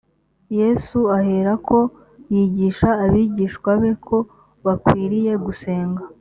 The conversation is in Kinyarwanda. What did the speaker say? yesu aherako yigisha abigishwa be ko bakwiriye gusenga.